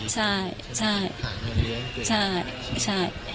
ใช่ใช่ใช่